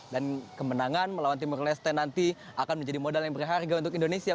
dan kemenangan melawan timur leste nanti akan menjadi modal yang berharga untuk indonesia